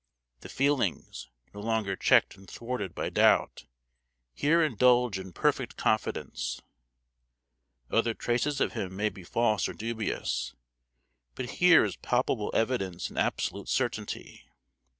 The feelings, no longer checked and thwarted by doubt, here indulge in perfect confidence: other traces of him may be false or dubious, but here is palpable evidence and absolute certainty.